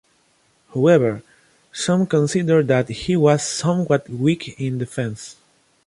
However, some consider that he was somewhat weak in defense.